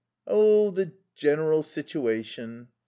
"Oh, the general situation."